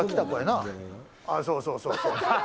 ああ、そうそうそう。